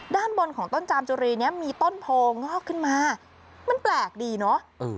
ด้านบนของต้นจามจุรีนี้มีต้นโพงอกขึ้นมามันแปลกดีเนอะ